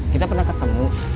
kita pernah ketemu